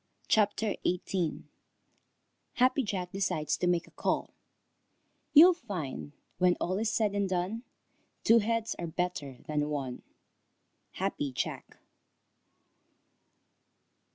CHAPTER XVIII HAPPY JACK DECIDES TO MAKE A CALL You'll find when all is said and done Two heads are better far than one. _Happy Jack.